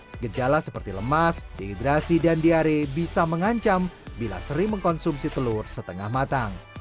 segejala seperti lemas dehidrasi dan diare bisa mengancam bila sering mengkonsumsi telur setengah matang